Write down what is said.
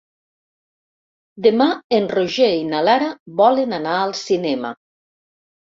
Demà en Roger i na Lara volen anar al cinema.